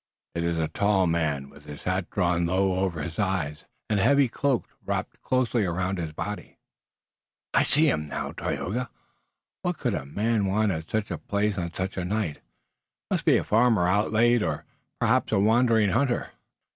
It is a tall man with his hat drawn low over his eyes, and a heavy cloak wrapped closely around his body." "I see him now, Tayoga! What could a man want at such a place on such a night? It must be a farmer out late, or perhaps a wandering hunter!"